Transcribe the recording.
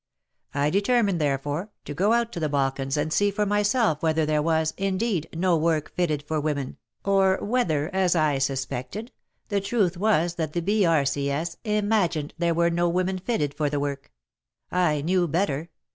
I determined, therefore, to go out to the Balkans and see for myself whether there was, indeed, no work *' fitted for women," or whether, as I suspected, the truth was that the B.R.C.S. imagined there were no 1 8 WAR AND WOMEN women fitted for the work. I knew better.